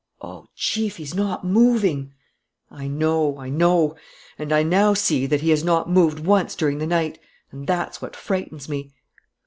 "Oh, Chief, he's not moving!" "I know ... I know ... and I now see that he has not moved once during the night. And that's what frightens me."